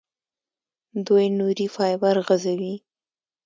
دوی نوري فایبر غځوي.